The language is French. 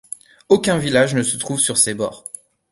Aucun village ne se trouve sur ses bords.